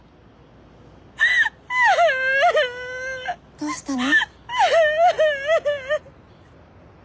どうしたの？